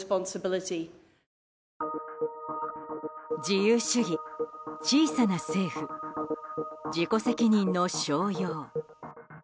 自由主義、小さな政府自己責任の称揚。